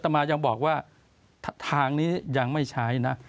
มายังบอกว่าทางนี้ยังไม่ใช้นะ